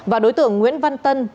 và đối tượng nguyễn văn tân